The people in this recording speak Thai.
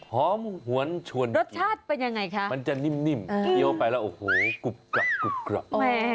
หอมหวนชวนจมมันจะนิ่มเดี๋ยวออกไปแล้วโอ้โฮกรุบกรับ